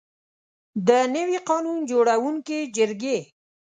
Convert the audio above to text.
د نوي قانون جوړوونکي جرګې.